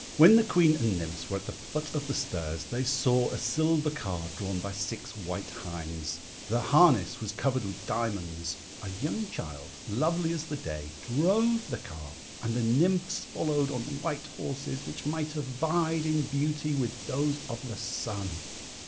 When the Queen and nymphs were at the foot of the stairs they saw a silver car drawn by six white hinds: their harness was covered with diamonds; a young child, lovely as the day, drove the car, and the nymphs followed on white horses which might have vied in beauty with those of the sun.